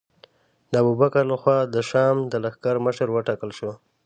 د ابوبکر له خوا د شام د لښکر مشر وټاکل شو.